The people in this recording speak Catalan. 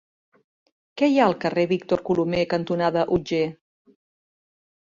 Què hi ha al carrer Víctor Colomer cantonada Otger?